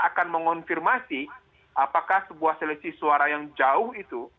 akan mengonfirmasi apakah sebuah selisih suara yang jauh itu